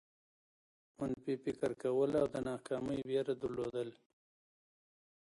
منفي فکر کول او د ناکامۍ وېره درلودل.